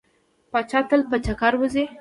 پاچا تل په چکر وځي.